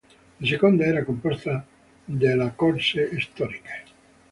La seconda era composta dalle corse storiche.